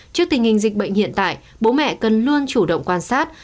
trước tình hình dịch bệnh hiện tại bố mẹ cần luôn chủ động quan sát